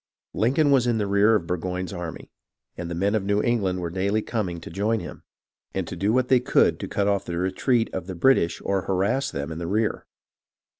Lincoln was in the rear of Burgoyne's army, and the men of New England were daily coming to join him, and do what they could to cut off the retreat of the British or harass them in the rear.